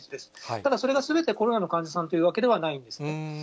ただそれがすべて、コロナの患者さんというわけではないんですね。